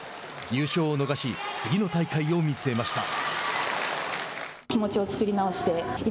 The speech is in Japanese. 優勝を逃し次の大会を見据えました。